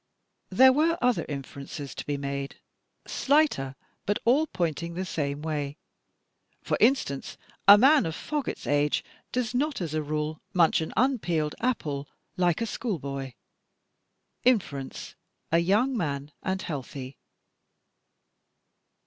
" There were other inferences to be made — slighter, but all point ing the same way. For instance, a man of Foggatt's age does not, as a rule, munch an unpeeled apple like a school boy. Inference a young man, and healthy."